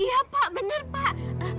iya pak benar pak